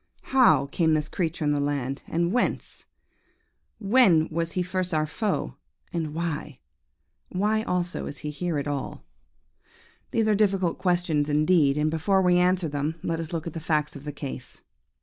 How came this creature in the land, and whence? when was he first our foe, and why ? Why also is he here at all? "These are difficult questions indeed, and before we answer them, let us look at the facts of the case.